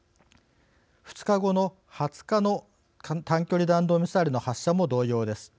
２日後の２０日の短距離弾道ミサイルの発射も同様です。